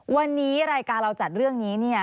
วันนี้รายการเราจัดเรื่องนี้เนี่ย